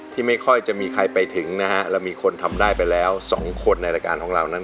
ไม่ค่อยจะมีใครไปถึงนะฮะเรามีคนทำได้ไปแล้ว๒คนในรายการของเรานั้น